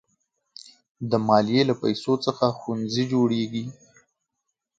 د مالیې له پیسو څخه ښوونځي جوړېږي.